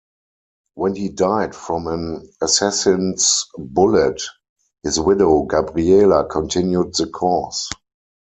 When he died from an assassin's bullet, his widow Gabriela continued the cause.